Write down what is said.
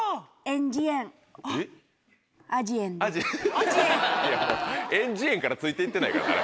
エンジエンからついて行ってないから。